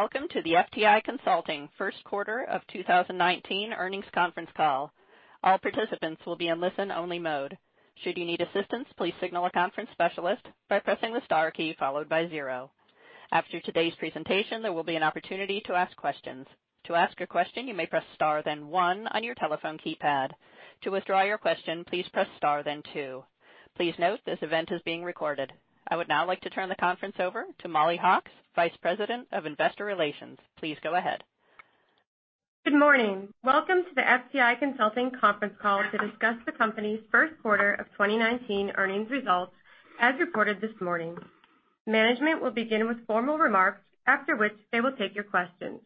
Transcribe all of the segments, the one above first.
Welcome to the FTI Consulting first quarter of 2019 earnings conference call. All participants will be in listen-only mode. Should you need assistance, please signal a conference specialist by pressing the star key followed by zero. After today's presentation, there will be an opportunity to ask questions. To ask a question, you may press star then one on your telephone keypad. To withdraw your question, please press star then two. Please note this event is being recorded. I would now like to turn the conference over to Mollie Hawkes, vice president of Investor Relations. Please go ahead. Good morning. Welcome to the FTI Consulting conference call to discuss the company's first quarter of 2019 earnings results as reported this morning. Management will begin with formal remarks, after which they will take your questions.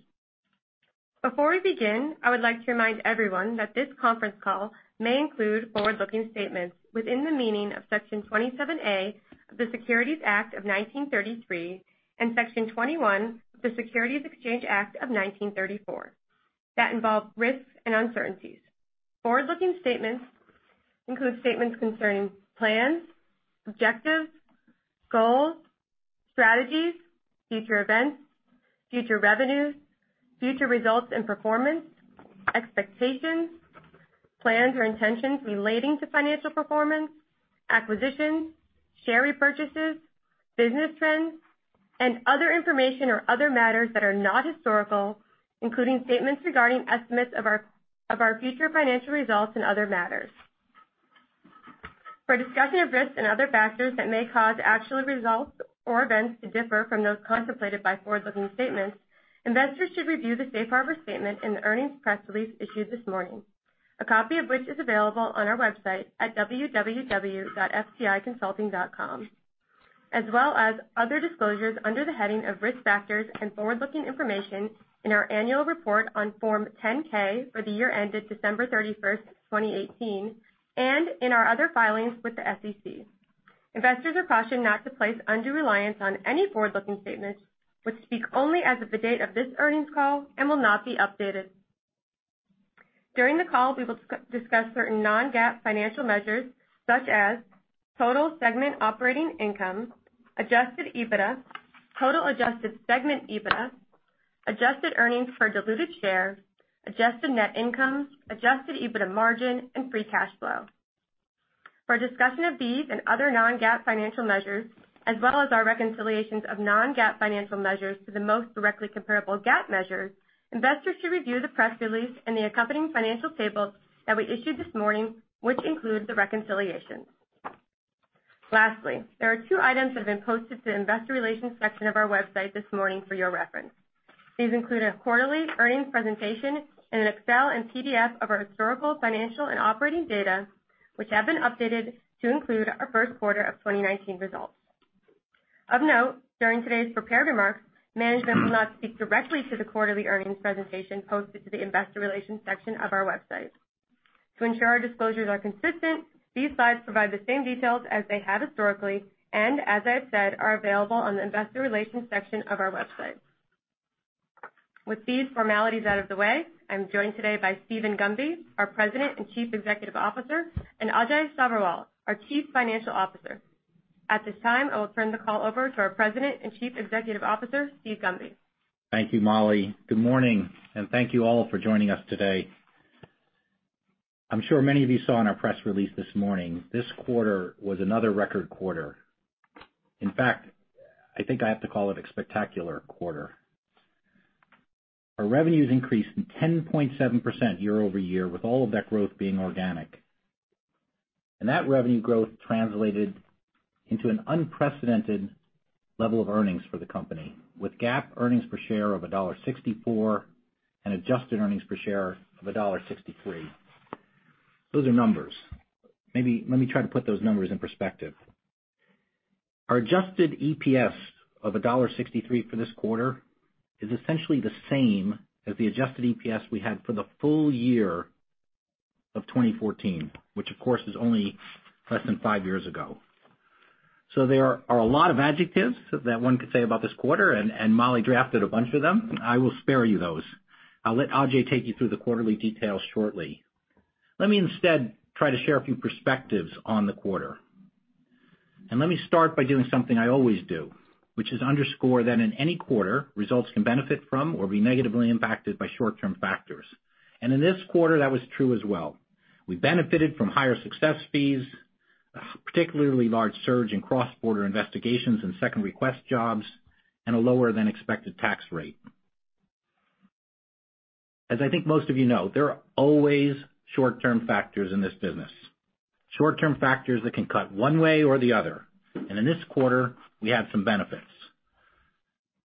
Before we begin, I would like to remind everyone that this conference call may include forward-looking statements within the meaning of Section 27A of the Securities Act of 1933 and Section 21E of the Securities Exchange Act of 1934 that involve risks and uncertainties. Forward-looking statements include statements concerning plans, objectives, goals, strategies, future events, future revenues, future results and performance, expectations, plans or intentions relating to financial performance, acquisitions, share repurchases, business trends, and other information or other matters that are not historical, including statements regarding estimates of our future financial results and other matters. For a discussion of risks and other factors that may cause actual results or events to differ from those contemplated by forward-looking statements, investors should review the safe harbor statement in the earnings press release issued this morning, a copy of which is available on our website at www.fticonsulting.com, as well as other disclosures under the heading of Risk Factors and Forward-Looking Information in our annual report on Form 10-K for the year ended December 31st, 2018, and in our other filings with the SEC. Investors are cautioned not to place undue reliance on any forward-looking statements which speak only as of the date of this earnings call and will not be updated. During the call, we will discuss certain non-GAAP financial measures such as total segment operating income, adjusted EBITDA, total adjusted segment EBITDA, adjusted earnings per diluted share, adjusted net income, adjusted EBITDA margin, and free cash flow. For a discussion of these and other non-GAAP financial measures, as well as our reconciliations of non-GAAP financial measures to the most directly comparable GAAP measures, investors should review the press release and the accompanying financial tables that we issued this morning, which include the reconciliations. Lastly, there are two items that have been posted to the investor relations section of our website this morning for your reference. These include a quarterly earnings presentation and an Excel and PDF of our historical financial and operating data, which have been updated to include our first quarter of 2019 results. Of note, during today's prepared remarks, management will not speak directly to the quarterly earnings presentation posted to the investor relations section of our website. To ensure our disclosures are consistent, these slides provide the same details as they have historically and as I've said, are available on the investor relations section of our website. With these formalities out of the way, I'm joined today by Steven Gunby, our President and Chief Executive Officer, and Ajay Sabherwal, our Chief Financial Officer. At this time, I will turn the call over to our President and Chief Executive Officer, Steven Gunby. Thank you, Mollie. Good morning, and thank you all for joining us today. I'm sure many of you saw in our press release this morning, this quarter was another record quarter. In fact, I think I have to call it a spectacular quarter. Our revenues increased 10.7% year-over-year, with all of that growth being organic. That revenue growth translated into an unprecedented level of earnings for the company with GAAP earnings per share of $1.64 and adjusted earnings per share of $1.63. Those are numbers. Maybe let me try to put those numbers in perspective. Our adjusted EPS of $1.63 for this quarter is essentially the same as the adjusted EPS we had for the full year of 2014, which of course is only less than five years ago. There are a lot of adjectives that one could say about this quarter, Mollie drafted a bunch of them. I will spare you those. I'll let Ajay take you through the quarterly details shortly. Let me instead try to share a few perspectives on the quarter. Let me start by doing something I always do, which is underscore that in any quarter, results can benefit from or be negatively impacted by short-term factors. In this quarter, that was true as well. We benefited from higher success fees, a particularly large surge in cross-border investigations and second request jobs, and a lower than expected tax rate. As I think most of you know, there are always short-term factors in this business. Short-term factors that can cut one way or the other. In this quarter, we have some benefits.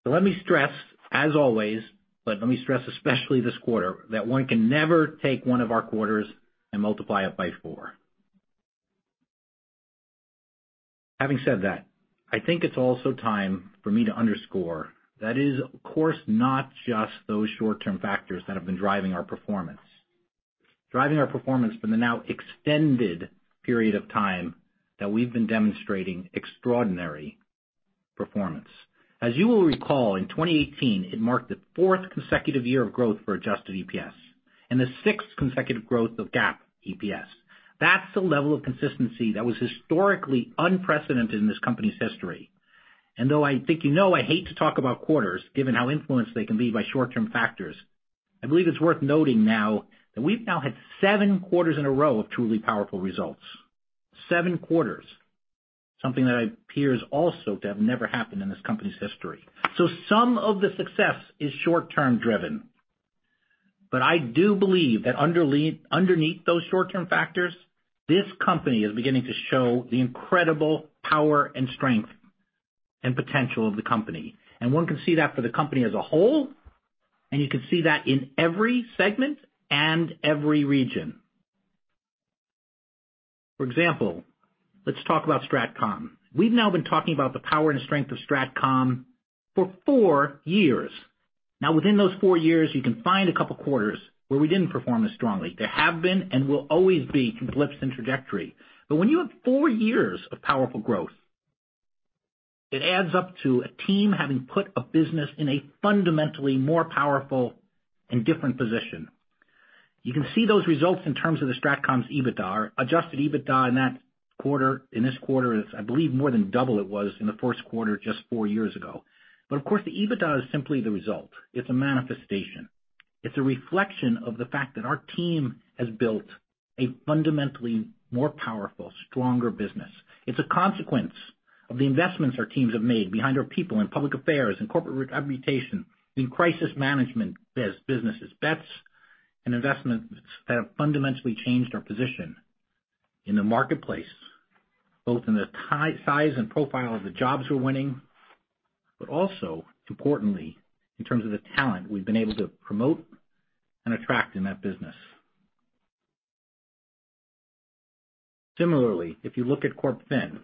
Let me stress as always, but let me stress especially this quarter, that one can never take one of our quarters and multiply it by four. Having said that, I think it's also time for me to underscore that is, of course, not just those short-term factors that have been driving our performance. Driving our performance for the now extended period of time that we've been demonstrating extraordinary performance. As you will recall, in 2018, it marked the fourth consecutive year of growth for adjusted EPS. The sixth consecutive growth of GAAP EPS. That's the level of consistency that was historically unprecedented in this company's history. Though I think you know I hate to talk about quarters, given how influenced they can be by short-term factors, I believe it's worth noting now that we've now had seven quarters in a row of truly powerful results. Seven quarters, something that appears also to have never happened in this company's history. Some of the success is short-term driven, but I do believe that underneath those short-term factors, this company is beginning to show the incredible power and strength and potential of the company. One can see that for the company as a whole, and you can see that in every segment and every region. For example, let's talk about Strat Comm. We've now been talking about the power and strength of Strat Comm for four years. Within those four years, you can find a couple of quarters where we didn't perform as strongly. There have been and will always be eclipses in trajectory. When you have four years of powerful growth, it adds up to a team having put a business in a fundamentally more powerful and different position. You can see those results in terms of the Strat Comm's EBITDA. Adjusted EBITDA in this quarter is, I believe, more than double it was in the first quarter just four years ago. Of course, the EBITDA is simply the result. It's a manifestation. It's a reflection of the fact that our team has built a fundamentally more powerful, stronger business. It's a consequence of the investments our teams have made behind our people in public affairs and corporate reputation, in crisis management businesses. Bets and investments that have fundamentally changed our position in the marketplace, both in the size and profile of the jobs we're winning, but also importantly, in terms of the talent we've been able to promote and attract in that business. Similarly, if you look at CorpFin,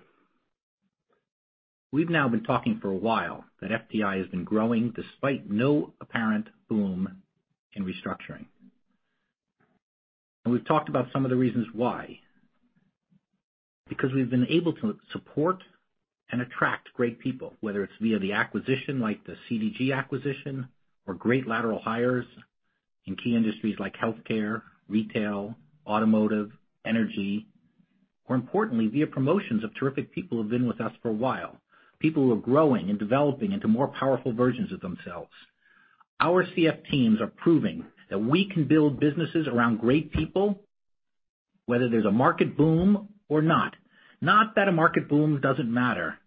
we've now been talking for a while that FTI has been growing despite no apparent boom in restructuring. We've talked about some of the reasons why. We've been able to support and attract great people, whether it's via the acquisition, like the CDG acquisition, or great lateral hires in key industries like healthcare, retail, automotive, energy, or importantly, via promotions of terrific people who have been with us for a while, people who are growing and developing into more powerful versions of themselves. Our CF teams are proving that we can build businesses around great people, whether there's a market boom or not. Not that a market boom doesn't matter,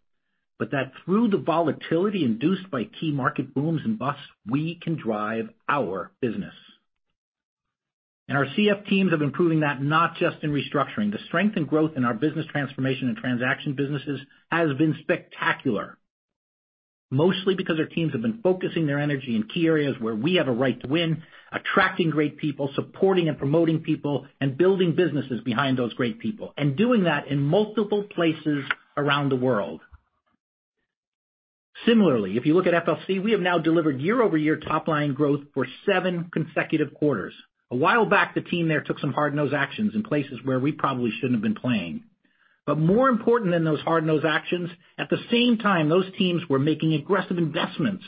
but that through the volatility induced by key market booms and busts, we can drive our business. Our CF teams have been proving that not just in restructuring. The strength and growth in our business transformation and transaction businesses has been spectacular, mostly because our teams have been focusing their energy in key areas where we have a right to win, attracting great people, supporting and promoting people, and building businesses behind those great people, and doing that in multiple places around the world. Similarly, if you look at FLC, we have now delivered year-over-year top-line growth for seven consecutive quarters. A while back, the team there took some hard-nosed actions in places where we probably shouldn't have been playing. More important than those hard-nosed actions, at the same time, those teams were making aggressive investments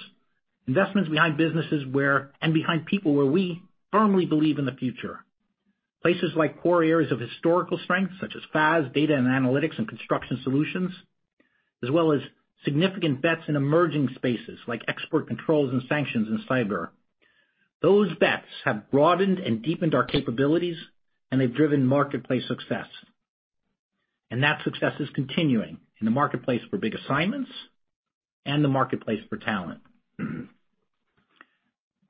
behind businesses and behind people where we firmly believe in the future. Places like core areas of historical strength, such as FAS, data and analytics, and construction solutions, as well as significant bets in emerging spaces like export controls and sanctions and cyber. Those bets have broadened and deepened our capabilities, and they've driven marketplace success. That success is continuing in the marketplace for big assignments and the marketplace for talent.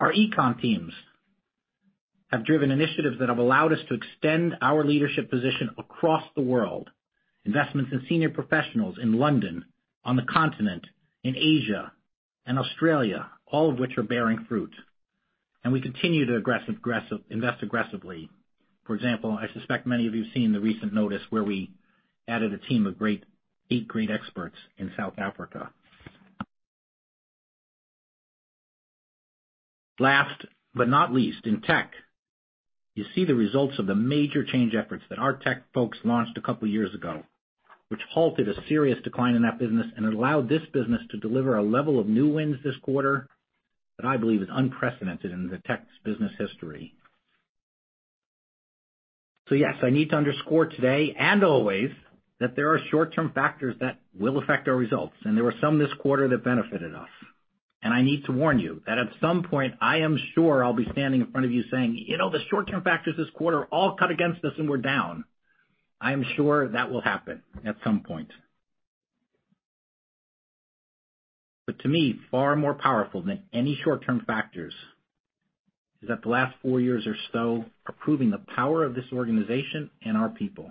Our econ teams have driven initiatives that have allowed us to extend our leadership position across the world. Investments in senior professionals in London, on the continent, in Asia and Australia, all of which are bearing fruit. We continue to invest aggressively. For example, I suspect many of you have seen the recent notice where we added a team of eight great experts in South Africa. Last but not least, in tech, you see the results of the major change efforts that our tech folks launched a couple of years ago, which halted a serious decline in that business and allowed this business to deliver a level of new wins this quarter that I believe is unprecedented in the tech's business history. Yes, I need to underscore today and always that there are short-term factors that will affect our results, and there were some this quarter that benefited us. I need to warn you that at some point I am sure I'll be standing in front of you saying, "The short-term factors this quarter all cut against us and we're down." I am sure that will happen at some point. To me, far more powerful than any short-term factors is that the last four years or so are proving the power of this organization and our people.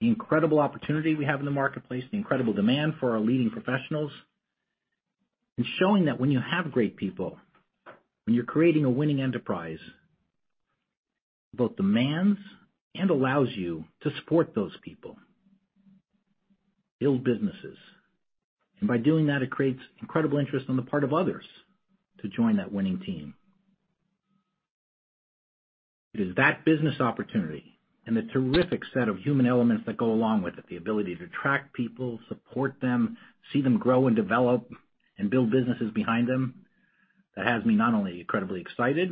The incredible opportunity we have in the marketplace, the incredible demand for our leading professionals, and showing that when you have great people, when you're creating a winning enterprise, both demands and allows you to support those people, build businesses. By doing that, it creates incredible interest on the part of others to join that winning team. It is that business opportunity and the terrific set of human elements that go along with it, the ability to attract people, support them, see them grow and develop, and build businesses behind them, that has me not only incredibly excited,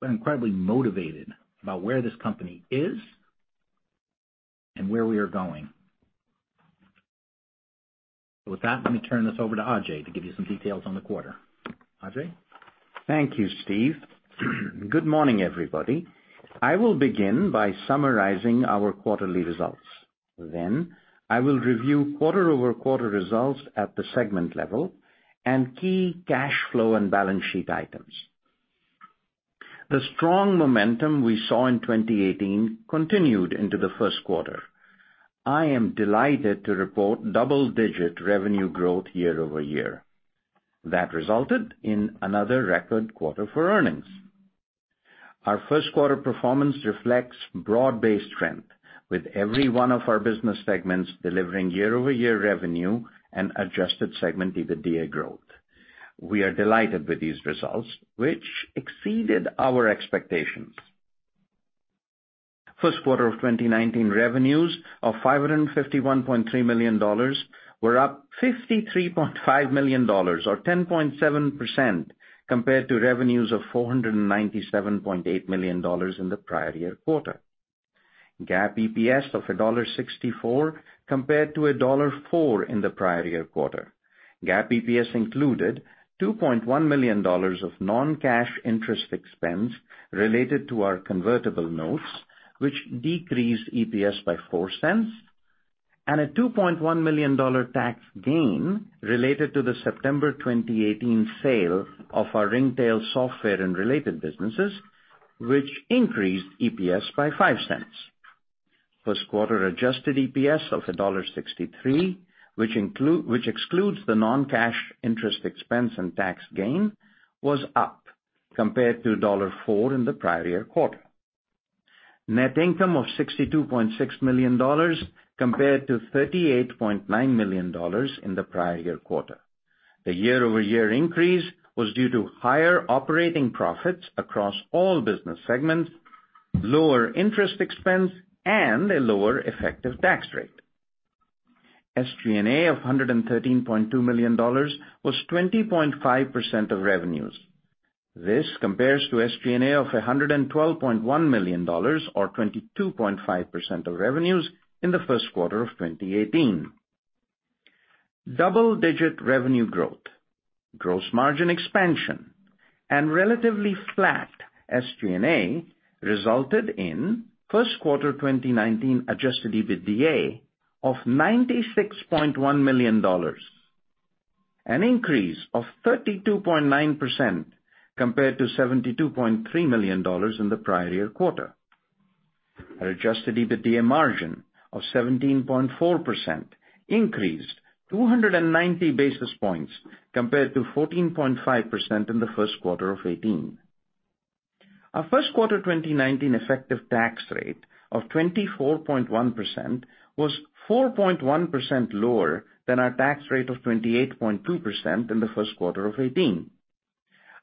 but incredibly motivated about where this company is and where we are going. With that, let me turn this over to Ajay to give you some details on the quarter. Ajay? Thank you, Steve. Good morning, everybody. I will begin by summarizing our quarterly results. I will review quarter-over-quarter results at the segment level and key cash flow and balance sheet items. The strong momentum we saw in 2018 continued into the first quarter. I am delighted to report double-digit revenue growth year-over-year that resulted in another record quarter for earnings. Our first quarter performance reflects broad-based trend, with every one of our business segments delivering year-over-year revenue and adjusted segment EBITDA growth. We are delighted with these results, which exceeded our expectations. First quarter of 2019 revenues of $551.3 million were up $53.5 million or 10.7% compared to revenues of $497.8 million in the prior year quarter. GAAP EPS of $1.64 compared to $1.04 in the prior year quarter. GAAP EPS included $2.1 million of non-cash interest expense related to our convertible notes, which decreased EPS by $0.04, and a $2.1 million tax gain related to the September 2018 sale of our Ringtail software and related businesses, which increased EPS by $0.05. First quarter adjusted EPS of $1.63, which excludes the non-cash interest expense and tax gain, was up compared to $1.04 in the prior year quarter. Net income of $62.6 million compared to $38.9 million in the prior year quarter. The year-over-year increase was due to higher operating profits across all business segments, lower interest expense, and a lower effective tax rate. SG&A of $113.2 million was 20.5% of revenues. This compares to SG&A of $112.1 million, or 22.5% of revenues, in the first quarter of 2018. Double-digit revenue growth, gross margin expansion, and relatively flat SG&A resulted in first quarter 2019 adjusted EBITDA of $96.1 million, an increase of 32.9% compared to $72.3 million in the prior year quarter. An adjusted EBITDA margin of 17.4% increased 290 basis points compared to 14.5% in the first quarter of 2018. Our first quarter 2019 effective tax rate of 24.1% was 4.1% lower than our tax rate of 28.2% in the first quarter of 2018.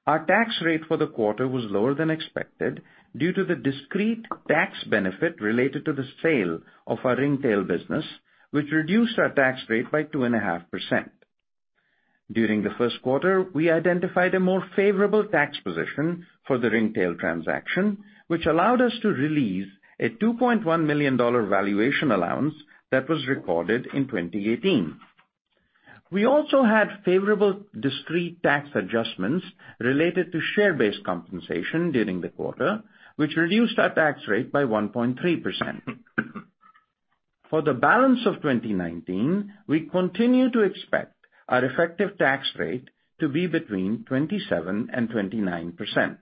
Our tax rate for the quarter was lower than expected due to the discrete tax benefit related to the sale of our Ringtail business, which reduced our tax rate by 2.5%. During the first quarter, we identified a more favorable tax position for the Ringtail transaction, which allowed us to release a $2.1 million valuation allowance that was recorded in 2018. We also had favorable discrete tax adjustments related to share-based compensation during the quarter, which reduced our tax rate by 1.3%. For the balance of 2019, we continue to expect our effective tax rate to be between 27% and 29%.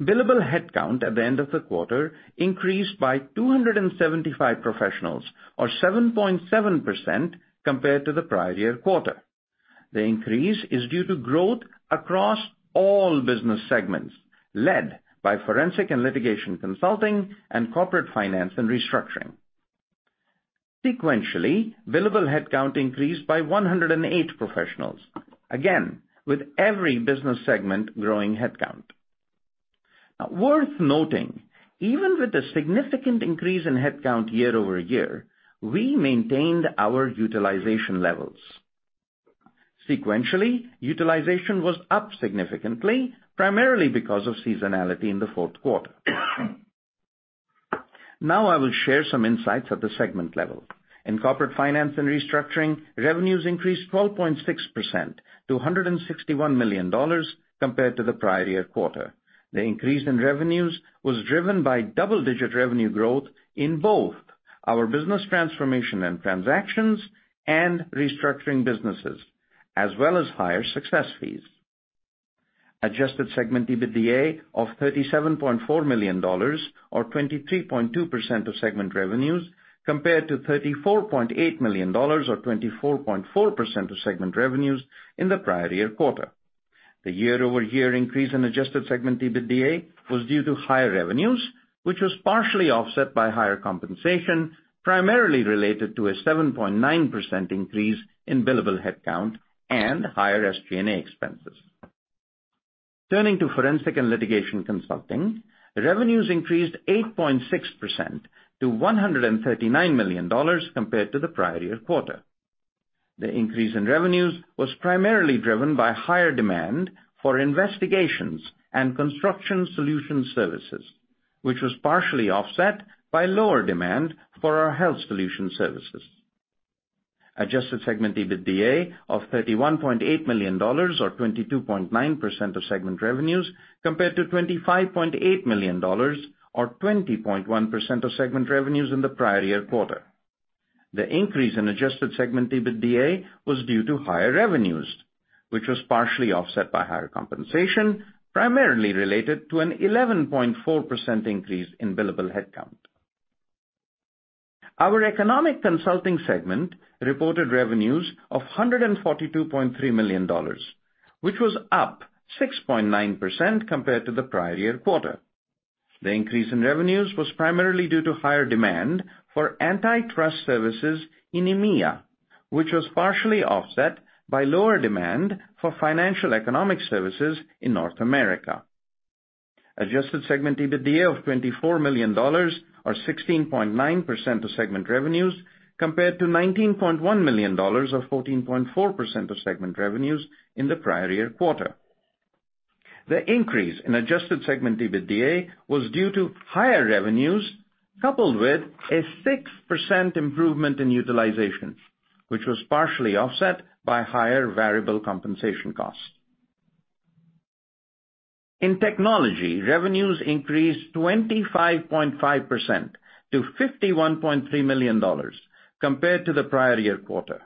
Billable headcount at the end of the quarter increased by 275 professionals or 7.7% compared to the prior year quarter. The increase is due to growth across all business segments, led by Forensic and Litigation Consulting and Corporate Finance & Restructuring. Sequentially, billable headcount increased by 108 professionals. Again, with every business segment growing headcount. Worth noting, even with the significant increase in headcount year-over-year, we maintained our utilization levels. Sequentially, utilization was up significantly, primarily because of seasonality in the fourth quarter. I will share some insights at the segment level. In Corporate Finance & Restructuring, revenues increased 12.6% to $161 million compared to the prior year quarter. The increase in revenues was driven by double-digit revenue growth in both our business transformation and transactions and restructuring businesses, as well as higher success fees. Adjusted segment EBITDA of $37.4 million or 23.2% of segment revenues, compared to $34.8 million or 24.4% of segment revenues in the prior year quarter. The year-over-year increase in adjusted segment EBITDA was due to higher revenues, which was partially offset by higher compensation, primarily related to a 7.9% increase in billable headcount and higher SG&A expenses. Turning to Forensic and Litigation Consulting, revenues increased 8.6% to $139 million compared to the prior year quarter. The increase in revenues was primarily driven by higher demand for investigations and construction solution services, which was partially offset by lower demand for our health solution services. Adjusted segment EBITDA of $31.8 million or 22.9% of segment revenues, compared to $25.8 million or 20.1% of segment revenues in the prior year quarter. The increase in adjusted segment EBITDA was due to higher revenues, which was partially offset by higher compensation, primarily related to an 11.4% increase in billable headcount. Our Economic Consulting segment reported revenues of $142.3 million, which was up 6.9% compared to the prior year quarter. The increase in revenues was primarily due to higher demand for antitrust services in EMEA, which was partially offset by lower demand for financial economic services in North America. Adjusted segment EBITDA of $24 million or 16.9% of segment revenues, compared to $19.1 million or 14.4% of segment revenues in the prior year quarter. The increase in adjusted segment EBITDA was due to higher revenues, coupled with a 6% improvement in utilization, which was partially offset by higher variable compensation costs. In technology, revenues increased 25.5% to $51.3 million compared to the prior year quarter.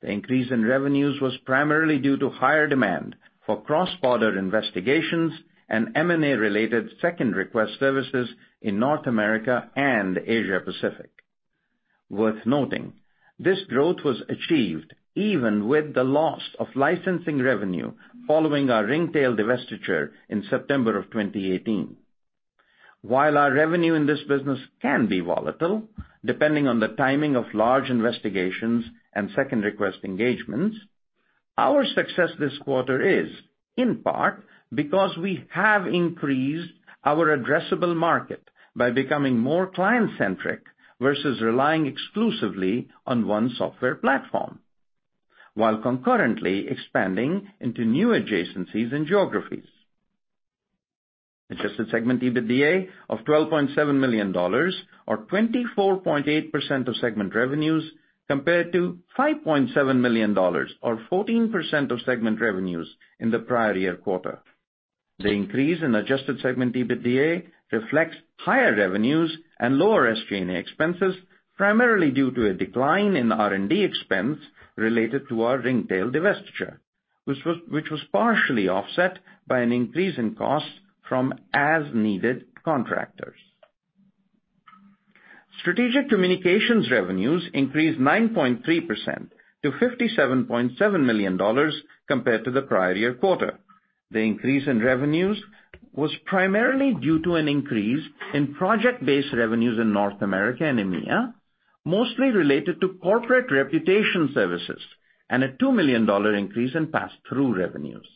The increase in revenues was primarily due to higher demand for cross-border investigations and M&A-related second request services in North America and Asia Pacific. Worth noting, this growth was achieved even with the loss of licensing revenue following our Ringtail divestiture in September of 2018. While our revenue in this business can be volatile, depending on the timing of large investigations and second request engagements, our success this quarter is, in part, because we have increased our addressable market by becoming more client-centric versus relying exclusively on one software platform, while concurrently expanding into new adjacencies and geographies. Adjusted segment EBITDA of $12.7 million or 24.8% of segment revenues compared to $5.7 million or 14% of segment revenues in the prior year quarter. The increase in adjusted segment EBITDA reflects higher revenues and lower SG&A expenses, primarily due to a decline in R&D expense related to our Ringtail divestiture, which was partially offset by an increase in costs from as-needed contractors. Strategic Communications revenues increased 9.3% to $57.7 million compared to the prior year quarter. The increase in revenues was primarily due to an increase in project-based revenues in North America and EMEA, mostly related to corporate reputation services and a $2 million increase in pass-through revenues.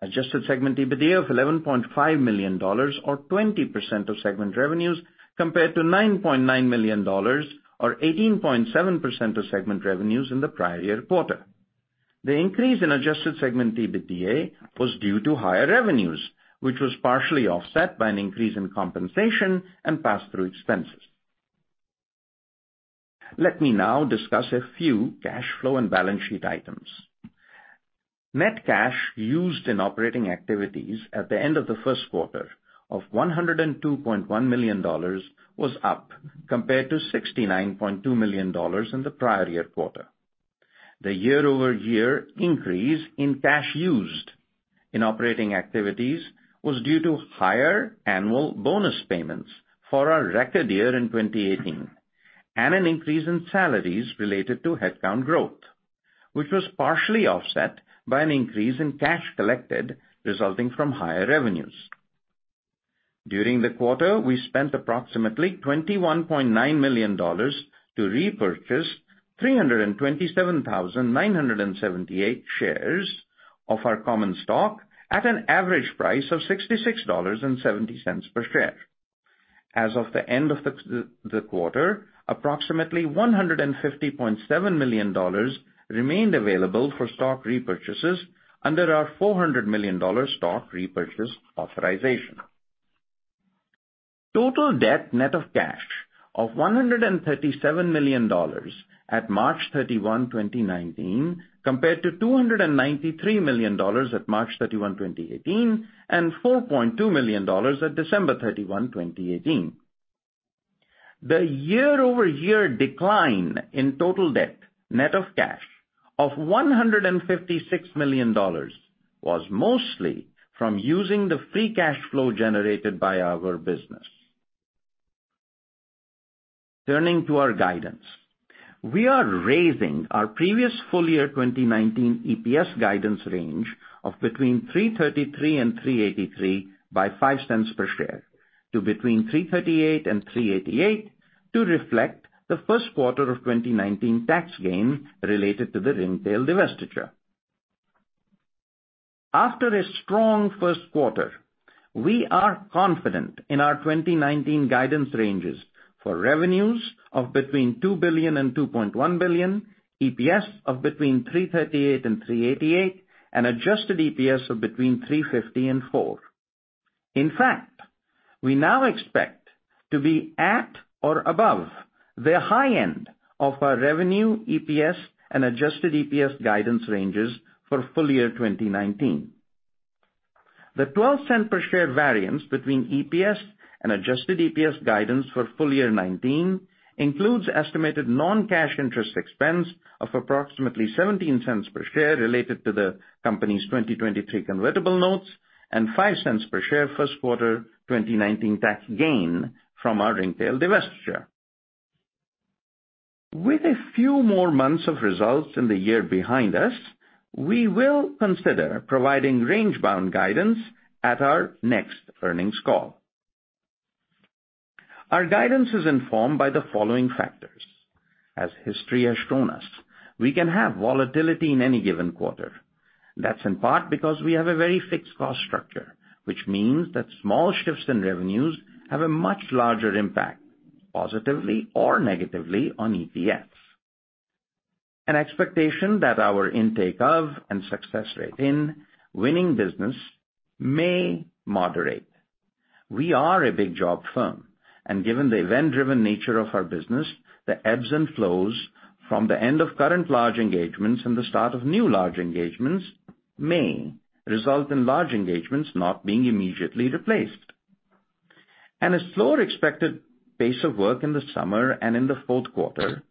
Adjusted segment EBITDA of $11.5 million or 20% of segment revenues compared to $9.9 million or 18.7% of segment revenues in the prior year quarter. The increase in adjusted segment EBITDA was due to higher revenues, which was partially offset by an increase in compensation and pass-through expenses. Let me now discuss a few cash flow and balance sheet items. Net cash used in operating activities at the end of the first quarter of $102.1 million was up compared to $69.2 million in the prior year quarter. The year-over-year increase in cash used in operating activities was due to higher annual bonus payments for our record year in 2018 and an increase in salaries related to headcount growth, which was partially offset by an increase in cash collected resulting from higher revenues. During the quarter, we spent approximately $21.9 million to repurchase 327,978 shares of our common stock at an average price of $66.70 per share. As of the end of the quarter, approximately $150.7 million remained available for stock repurchases under our $400 million stock repurchase authorization. Total debt net of cash of $137 million at March 31, 2019, compared to $293 million at March 31, 2018, and $4.2 million at December 31, 2018. The year-over-year decline in total debt net of cash of $156 million was mostly from using the free cash flow generated by our business. Turning to our guidance. We are raising our previous full year 2019 EPS guidance range of between $3.33 and $3.83 by $0.05 per share to between $3.38 and $3.88 to reflect the first quarter of 2019 tax gain related to the Ringtail divestiture. After a strong first quarter, we are confident in our 2019 guidance ranges for revenues of between $2 billion and $2.1 billion, EPS of between $3.38 and $3.88, and adjusted EPS of between $3.50 and $4.00. In fact, we now expect to be at or above the high end of our revenue, EPS, and adjusted EPS guidance ranges for full year 2019. The $0.12 per share variance between EPS and adjusted EPS guidance for full year 2019 includes estimated non-cash interest expense of approximately $0.17 per share related to the company's 2023 convertible notes and $0.05 per share first quarter 2019 tax gain from our Ringtail divestiture. With a few more months of results in the year behind us, we will consider providing range-bound guidance at our next earnings call. Our guidance is informed by the following factors. As history has shown us, we can have volatility in any given quarter. That's in part because we have a very fixed cost structure, which means that small shifts in revenues have a much larger impact, positively or negatively, on EPS. An expectation that our intake of and success rate in winning business may moderate. We are a big job firm, and given the event-driven nature of our business, the ebbs and flows from the end of current large engagements and the start of new large engagements may result in large engagements not being immediately replaced. A slower expected pace of work in the summer and in the fourth quarter,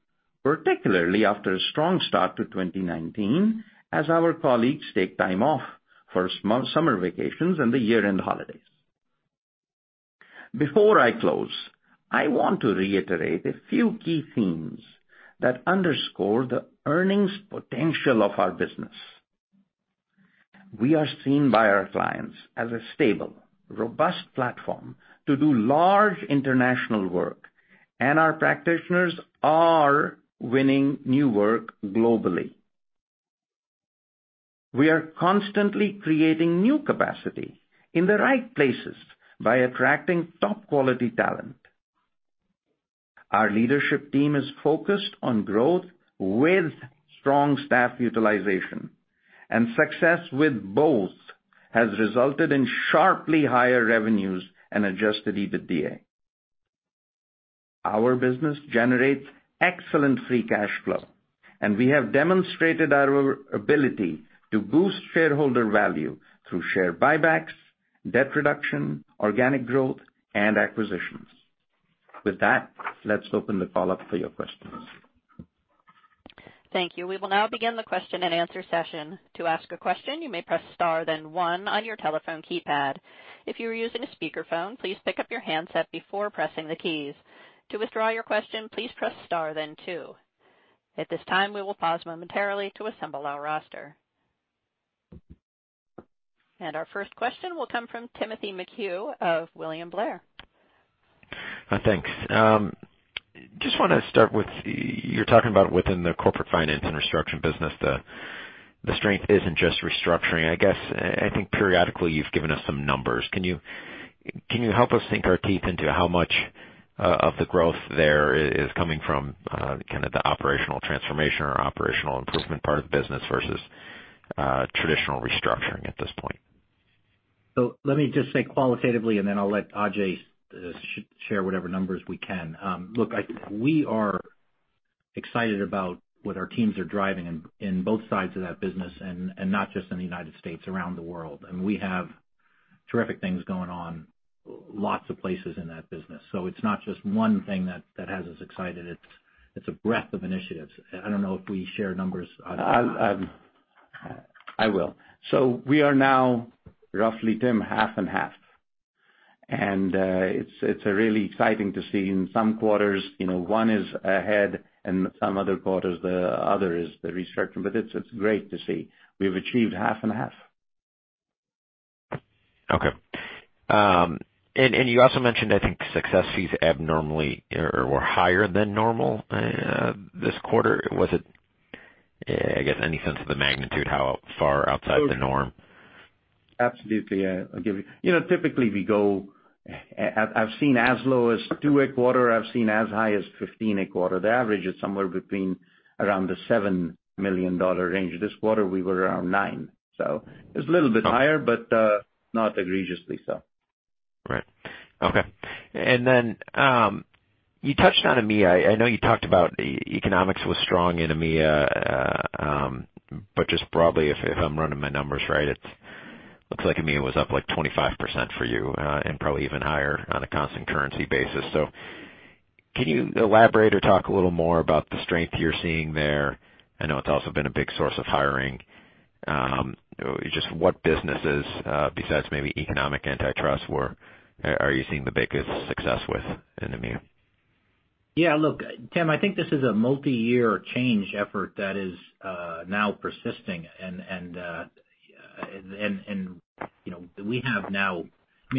particularly after a strong start to 2019 as our colleagues take time off for summer vacations and the year-end holidays. Before I close, I want to reiterate a few key themes that underscore the earnings potential of our business. We are seen by our clients as a stable, robust platform to do large international work, and our practitioners are winning new work globally. We are constantly creating new capacity in the right places by attracting top-quality talent. Our leadership team is focused on growth with strong staff utilization, and success with both has resulted in sharply higher revenues and adjusted EBITDA. Our business generates excellent free cash flow, and we have demonstrated our ability to boost shareholder value through share buybacks, debt reduction, organic growth, and acquisitions. With that, let's open the call up for your questions. Thank you. We will now begin the question and answer session. To ask a question, you may press star then one on your telephone keypad. If you are using a speakerphone, please pick up your handset before pressing the keys. To withdraw your question, please press star then two. At this time, we will pause momentarily to assemble our roster. Our first question will come from Timothy McHugh of William Blair. Thanks. Just want to start with, you're talking about within the Corporate Finance & Restructuring business, the strength isn't just restructuring. I guess, I think periodically you've given us some numbers. Can you help us sink our teeth into how much of the growth there is coming from kind of the operational transformation or operational improvement part of the business versus traditional restructuring at this point? Let me just say qualitatively, and then I'll let Ajay share whatever numbers we can. Look, I think we are excited about what our teams are driving in both sides of that business and not just in the United States, around the world. We have terrific things going on lots of places in that business. It's not just one thing that has us excited. It's a breadth of initiatives. I don't know if we share numbers. I will. We are now roughly, Tim, half and half, and it's really exciting to see in some quarters, one is ahead and some other quarters the other is the restructuring, but it's great to see. We've achieved half and half. Okay. You also mentioned, I think success fees were higher than normal this quarter. Was it, I guess, any sense of the magnitude, how far outside the norm? Absolutely. Yeah. Typically, I've seen as low as two a quarter. I've seen as high as 15 a quarter. The average is somewhere between around the $7 million range. This quarter, we were around nine. It's a little bit higher, but not egregiously so. Right. Okay. You touched on EMEA. I know you talked about Economic Consulting was strong in EMEA. Just broadly, if I'm running my numbers right, it looks like EMEA was up like 25% for you and probably even higher on a constant currency basis. Can you elaborate or talk a little more about the strength you're seeing there? I know it's also been a big source of hiring. Just what businesses, besides maybe Economic Consulting antitrust work, are you seeing the biggest success with in EMEA? Yeah. Look, Tim, I think this is a multi-year change effort that is now persisting.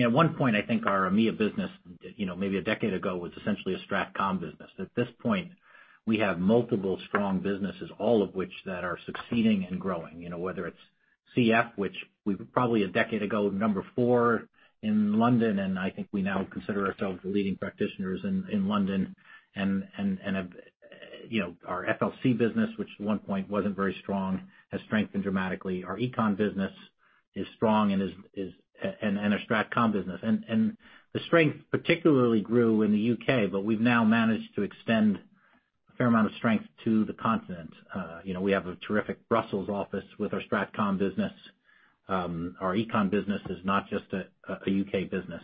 At one point, I think our EMEA business, maybe a decade ago, was essentially a Strat Comm business. At this point, we have multiple strong businesses, all of which that are succeeding and growing, whether it's CF, which we were probably a decade ago, number four in London, and I think we now consider ourselves the leading practitioners in London, and our FLC business, which at one point wasn't very strong, has strengthened dramatically. Our Econ business is strong and our Strat Comm business. The strength particularly grew in the U.K., but we've now managed to extend a fair amount of strength to the continent. We have a terrific Brussels office with our Strat Comm business. Our Econ business is not just a U.K. business.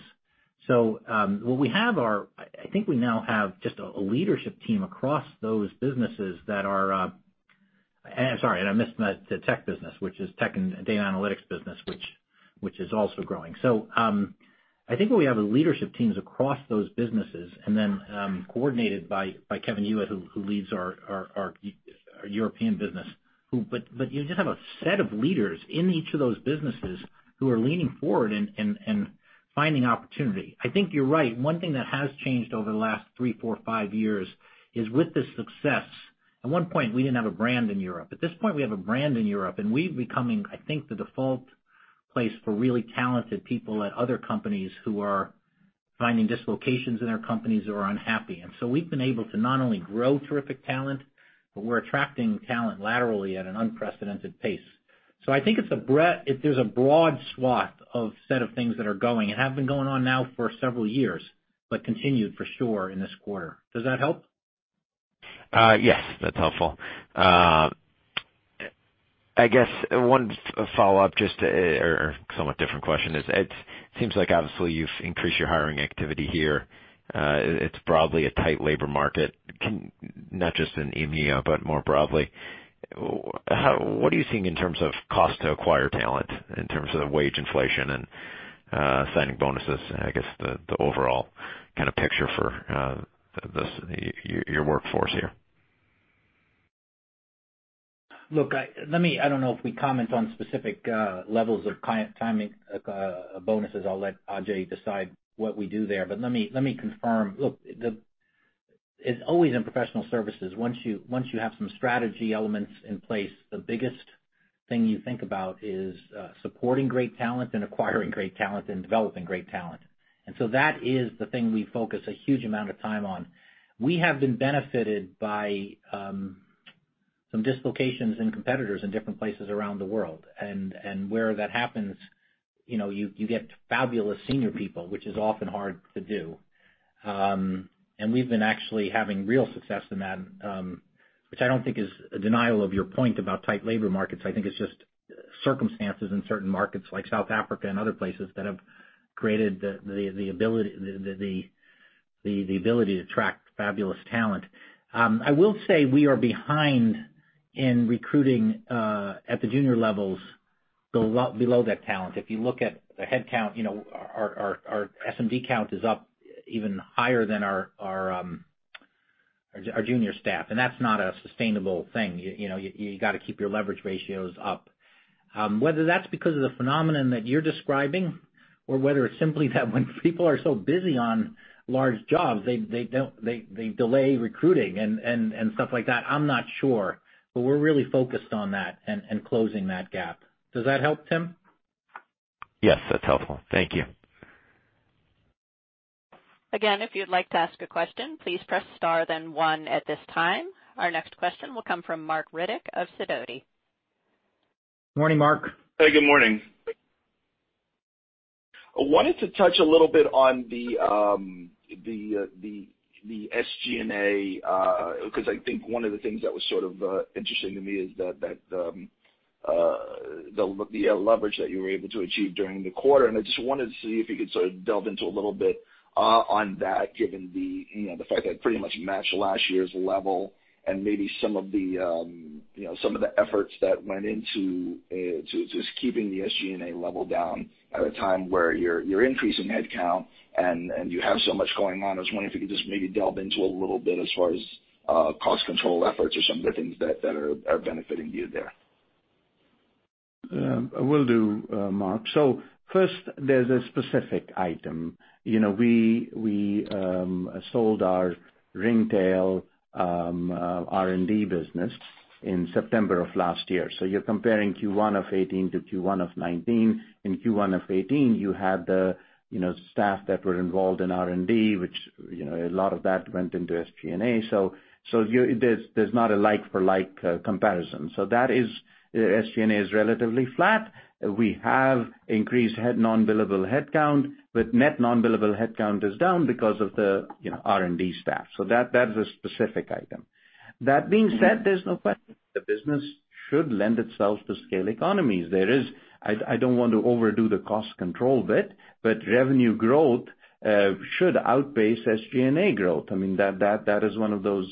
I think we now have just a leadership team across those businesses that are Sorry, I missed the Tech and Data Analytics business, which is also growing. I think we have leadership teams across those businesses and then coordinated by Kevin Hewitt, who leads our European business. You just have a set of leaders in each of those businesses who are leaning forward and finding opportunity. I think you're right. One thing that has changed over the last three, four, five years is with the success. At one point, we didn't have a brand in Europe. At this point, we have a brand in Europe, and we're becoming, I think, the default place for really talented people at other companies who are finding dislocations in their companies or are unhappy. We've been able to not only grow terrific talent, but we're attracting talent laterally at an unprecedented pace. I think there's a broad swath of set of things that are going and have been going on now for several years, but continued for sure in this quarter. Does that help? Yes, that's helpful. I guess one follow-up or somewhat different question is, it seems like obviously you've increased your hiring activity here. It's broadly a tight labor market, not just in EMEA, but more broadly. What are you seeing in terms of cost to acquire talent, in terms of the wage inflation and signing bonuses? I guess the overall kind of picture for your workforce here. Look, I don't know if we comment on specific levels of timing of bonuses. I'll let Ajay decide what we do there. Let me confirm. Look, as always in professional services, once you have some strategy elements in place, the biggest thing you think about is supporting great talent and acquiring great talent and developing great talent. That is the thing we focus a huge amount of time on. We have been benefited by some dislocations in competitors in different places around the world. Where that happens, you get fabulous senior people, which is often hard to do. We've been actually having real success in that, which I don't think is a denial of your point about tight labor markets. I think it's just circumstances in certain markets like South Africa and other places that have created the ability to attract fabulous talent. I will say we are behind in recruiting at the junior levels below that talent. If you look at the headcount, our SMD count is up even higher than our junior staff. That's not a sustainable thing. You got to keep your leverage ratios up. Whether that's because of the phenomenon that you're describing or whether it's simply that when people are so busy on large jobs, they delay recruiting and stuff like that, I'm not sure, but we're really focused on that and closing that gap. Does that help, Tim? Yes, that's helpful. Thank you. Again, if you'd like to ask a question, please press star then one at this time. Our next question will come from Marc Riddick of Sidoti. Morning, Marc. Hey, good morning. I wanted to touch a little bit on the SG&A, because I think one of the things that was sort of interesting to me is the leverage that you were able to achieve during the quarter, and I just wanted to see if you could sort of delve into a little bit on that, given the fact that it pretty much matched last year's level and maybe some of the efforts that went into just keeping the SG&A level down at a time where you're increasing headcount and you have so much going on. I was wondering if you could just maybe delve into a little bit as far as cost control efforts or some of the things that are benefiting you there. Will do, Marc. First, there's a specific item. We sold our Ringtail R&D business in September of last year. You're comparing Q1 of 2018 to Q1 of 2019. In Q1 of 2018, you had the staff that were involved in R&D, which a lot of that went into SG&A. There's not a like-for-like comparison. That is SG&A is relatively flat. We have increased non-billable headcount, but net non-billable headcount is down because of the R&D staff. That's a specific item. That being said, there's no question the business should lend itself to scale economies. I don't want to overdo the cost control bit, but revenue growth should outpace SG&A growth. I mean, that is one of those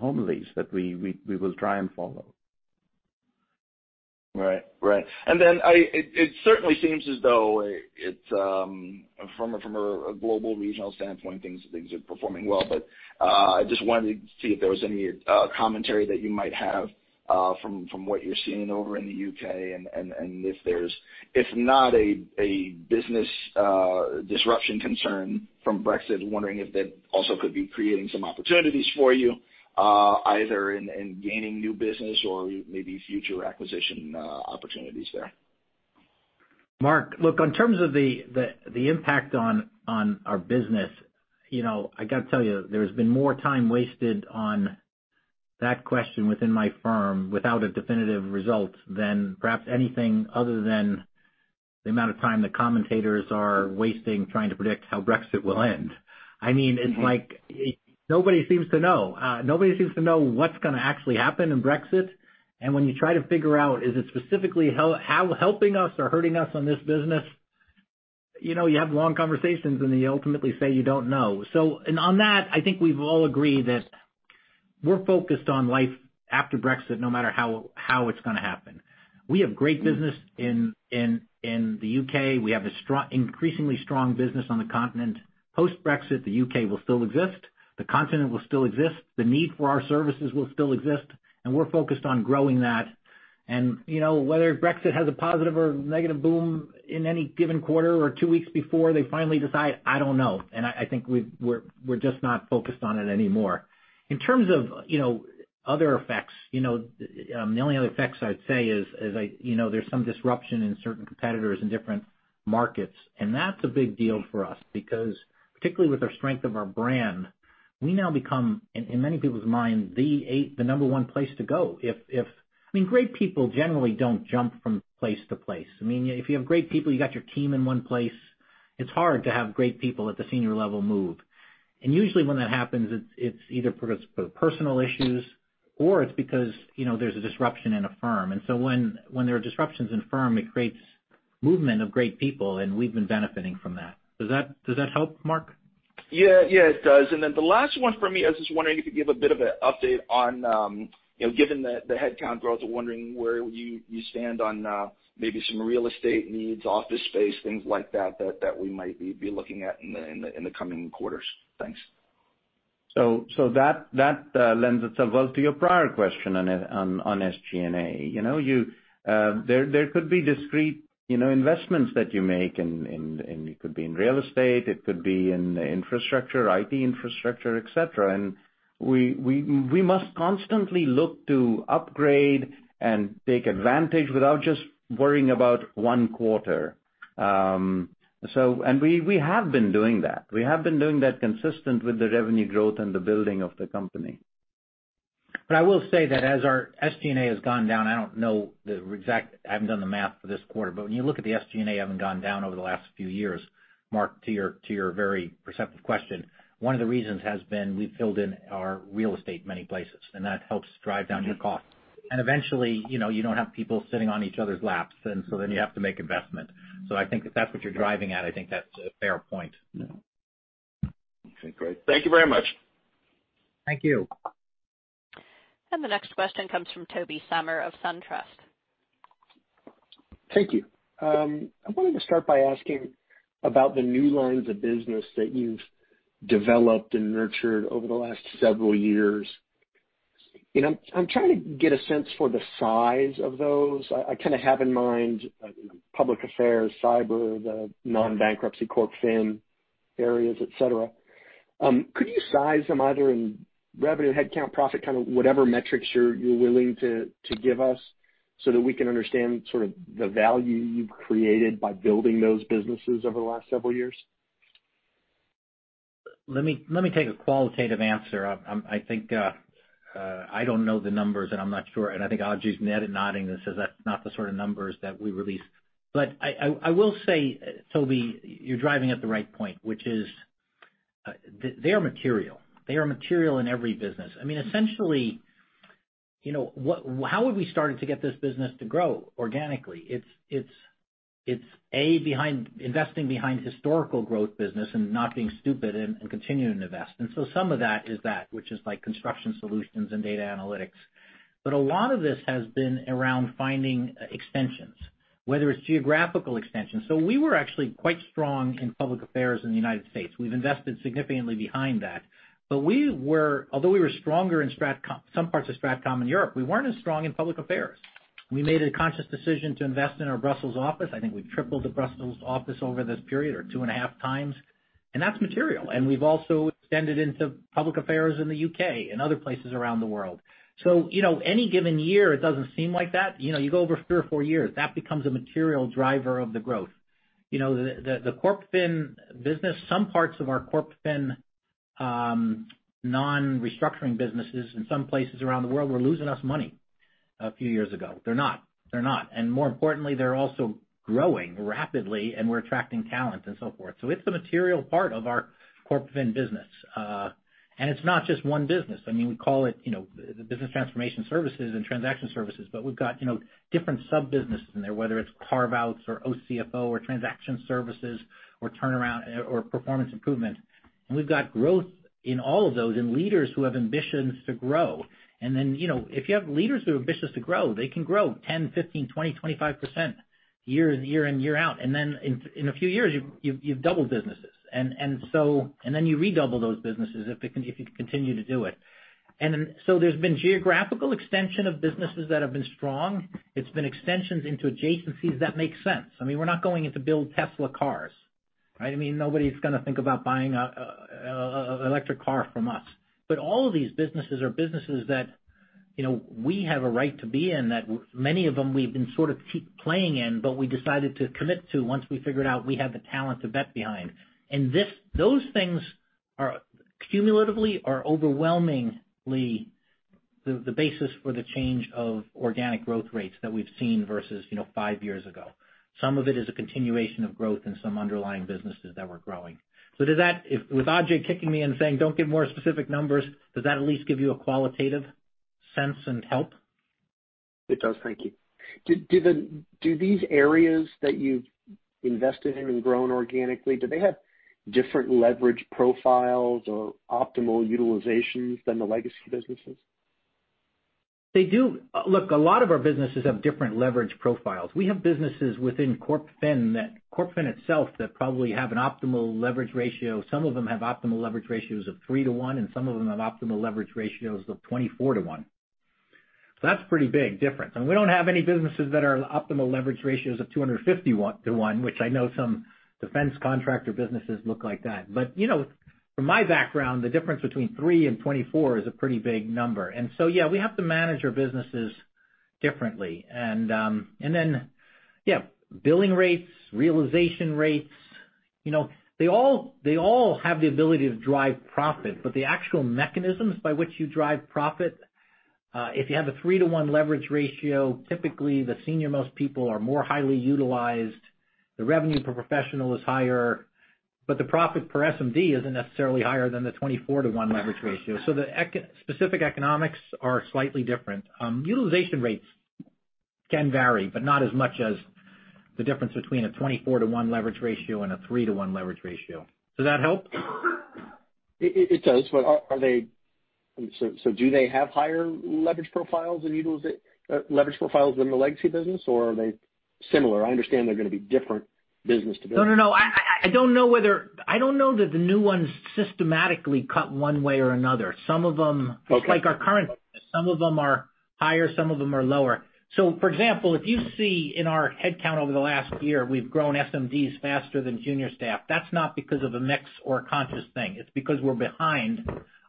homilies that we will try and follow. Right. It certainly seems as though from a global regional standpoint, things are performing well. I just wanted to see if there was any commentary that you might have from what you're seeing over in the U.K., and if not a business disruption concern from Brexit, wondering if that also could be creating some opportunities for you, either in gaining new business or maybe future acquisition opportunities there. Marc, look, in terms of the impact on our business, I got to tell you, there's been more time wasted on that question within my firm without a definitive result than perhaps anything other than the amount of time the commentators are wasting trying to predict how Brexit will end. It's like nobody seems to know. Nobody seems to know what's going to actually happen in Brexit. When you try to figure out is it specifically helping us or hurting us on this business, you have long conversations, then you ultimately say you don't know. On that, I think we've all agreed that we're focused on life after Brexit, no matter how it's going to happen. We have great business in the U.K. We have increasingly strong business on the continent. Post-Brexit, the U.K. will still exist, the continent will still exist, the need for our services will still exist, and we're focused on growing that. Whether Brexit has a positive or negative boom in any given quarter or two weeks before they finally decide, I don't know. I think we're just not focused on it anymore. In terms of other effects, the only other effects I'd say is there's some disruption in certain competitors in different markets, and that's a big deal for us because particularly with our strength of our brand, we now become, in many people's minds, the number one place to go. Great people generally don't jump from place to place. If you have great people, you got your team in one place, it's hard to have great people at the senior level move. Usually when that happens, it's either personal issues or it's because there's a disruption in a firm. When there are disruptions in a firm, it creates movement of great people, and we've been benefiting from that. Does that help, Marc? Yeah, it does. The last one from me, I was just wondering if you could give a bit of an update on, given the headcount growth, I'm wondering where you stand on maybe some real estate needs, office space, things like that we might be looking at in the coming quarters. Thanks. That lends itself well to your prior question on SG&A. There could be discrete investments that you make, and it could be in real estate, it could be in infrastructure, IT infrastructure, et cetera. We must constantly look to upgrade and take advantage without just worrying about one quarter. We have been doing that. We have been doing that consistent with the revenue growth and the building of the company. I will say that as our SG&A has gone down, I don't know. I haven't done the math for this quarter, but when you look at the SG&A having gone down over the last few years, Marc, to your very perceptive question, one of the reasons has been we've filled in our real estate many places, and that helps drive down your cost. Eventually you don't have people sitting on each other's laps, and then you have to make investment. I think if that's what you're driving at, I think that's a fair point. Okay, great. Thank you very much. Thank you. The next question comes from Tobey Sommer of SunTrust. Thank you. I wanted to start by asking about the new lines of business that you've developed and nurtured over the last several years. I'm trying to get a sense for the size of those. I kind of have in mind public affairs, cyber, the non-bankruptcy CorpFin areas, et cetera. Could you size them either in revenue, headcount, profit, kind of whatever metrics you're willing to give us so that we can understand sort of the value you've created by building those businesses over the last several years? Let me take a qualitative answer. I don't know the numbers, I'm not sure, and I think Ajay's head nodding that says that's not the sort of numbers that we release. I will say, Tobey, you're driving at the right point, which is they are material. They are material in every business. Essentially, how have we started to get this business to grow organically? It's A, behind investing behind historical growth business and not being stupid and continuing to invest. Some of that is that, which is like construction solutions and data analytics. A lot of this has been around finding extensions. Whether it's geographical extensions. We were actually quite strong in public affairs in the U.S. We've invested significantly behind that. Although we were stronger in some parts of StratCom in Europe, we weren't as strong in public affairs. We made a conscious decision to invest in our Brussels office. I think we've tripled the Brussels office over this period, or two and a half times, and that's material. We've also extended into public affairs in the U.K. and other places around the world. Any given year, it doesn't seem like that. You go over three or four years, that becomes a material driver of the growth. The CorpFin business, some parts of our CorpFin non-restructuring businesses in some places around the world were losing us money a few years ago. They're not. More importantly, they're also growing rapidly, and we're attracting talent and so forth. It's a material part of our CorpFin business. It's not just one business. We call it the business transformation services and transaction services, but we've got different sub-businesses in there, whether it's carve-outs or OCFO or transaction services or turnaround or performance improvement. We've got growth in all of those and leaders who have ambitions to grow. If you have leaders who are ambitious to grow, they can grow 10, 15, 20, 25% year in, year out. Then in a few years, you've doubled business. Then you redouble those businesses if you continue to do it. There's been geographical extension of businesses that have been strong. It's been extensions into adjacencies that make sense. We're not going in to build Tesla cars. Nobody's going to think about buying an electric car from us. All of these businesses are businesses that we have a right to be in, that many of them we've been sort of playing in, but we decided to commit to once we figured out we have the talent to bet behind. Those things cumulatively are overwhelmingly the basis for the change of organic growth rates that we've seen versus five years ago. Some of it is a continuation of growth in some underlying businesses that we're growing. With Ajay kicking me and saying, "Don't give more specific numbers," does that at least give you a qualitative sense and help? It does. Thank you. Do these areas that you've invested in and grown organically, do they have different leverage profiles or optimal utilizations than the legacy businesses? They do. Look, a lot of our businesses have different leverage profiles. We have businesses within CorpFin itself that probably have an optimal leverage ratio. Some of them have optimal leverage ratios of three to one, and some of them have optimal leverage ratios of 24 to one. That's pretty big difference. We don't have any businesses that are optimal leverage ratios of 250 to one, which I know some defense contractor businesses look like that. From my background, the difference between three and 24 is a pretty big number. Yeah, we have to manage our businesses differently. Billing rates, realization rates, they all have the ability to drive profit, but the actual mechanisms by which you drive profit, if you have a three-to-one leverage ratio, typically the senior-most people are more highly utilized. The revenue per professional is higher, but the profit per SMD isn't necessarily higher than the 24-to-one leverage ratio. The specific economics are slightly different. Utilization rates can vary, but not as much as the difference between a 24-to-one leverage ratio and a three-to-one leverage ratio. Does that help? It does. Do they have higher leverage profiles than the legacy business, or are they similar? I understand they're going to be different business to business. No, I don't know that the new ones systematically cut one way or another. Some of them- Okay just like our current business, some of them are higher, some of them are lower. For example, if you see in our head count over the last year, we've grown SMDs faster than junior staff. That's not because of a mix or a conscious thing. It's because we're behind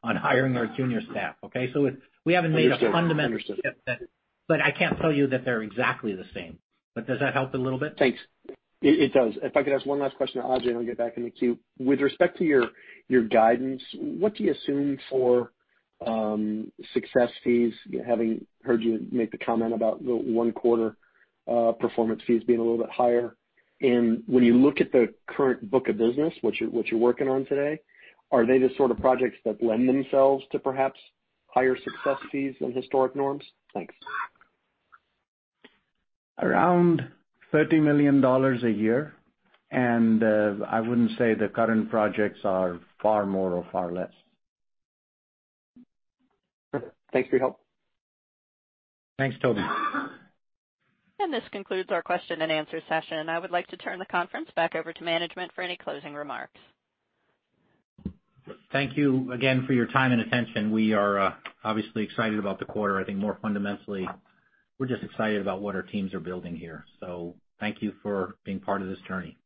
on hiring our junior staff. Okay? We haven't made a fundamental shift yet. I can't tell you that they're exactly the same. Does that help a little bit? Thanks. It does. If I could ask one last question to Ajay, and I'll get back in the queue. With respect to your guidance, what do you assume for success fees, having heard you make the comment about the one quarter performance fees being a little bit higher? When you look at the current book of business, what you're working on today, are they the sort of projects that lend themselves to perhaps higher success fees than historic norms? Thanks. Around $30 million a year. I wouldn't say the current projects are far more or far less. Perfect. Thanks for your help. Thanks, Tobey. This concludes our question and answer session. I would like to turn the conference back over to management for any closing remarks. Thank you again for your time and attention. We are obviously excited about the quarter. I think more fundamentally, we're just excited about what our teams are building here. Thank you for being part of this journey.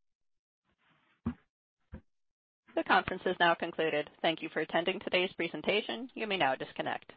The conference is now concluded. Thank you for attending today's presentation. You may now disconnect.